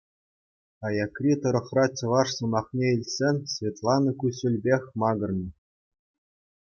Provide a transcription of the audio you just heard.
Аякри тӑрӑхра чӑваш сӑмахне илтсен Светлана куҫҫульпех макӑрнӑ.